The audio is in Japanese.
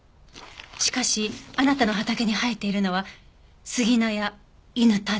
しかしあなたの畑に生えているのはスギナやイヌタデ。